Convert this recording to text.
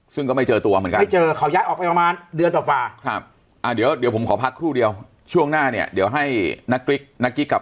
ซึ่งก็ไม่เจอตัวเหมือนกัน